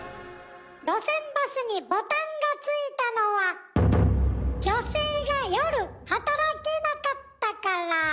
路線バスにボタンが付いたのは女性が夜働けなかったから。